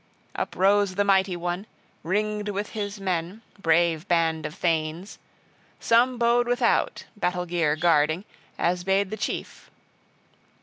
Uprose the mighty one, ringed with his men, brave band of thanes: some bode without, battle gear guarding, as bade the chief.